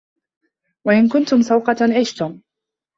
وَإِنْ كُنْتُمْ سُوقَةً عِشْتُمْ